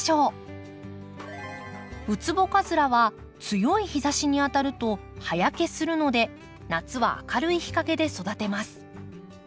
ウツボカズラは強い日ざしに当たると葉焼けするので夏は明るい日陰で育てます。